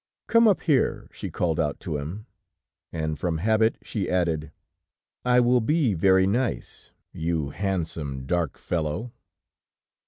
"Come up here," she called out to him, and from habit she added: "I will be very nice, you handsome dark fellow."